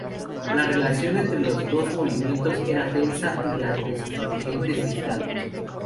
La relación entre los dos movimientos era tensa y la de sus dirigentes, distante.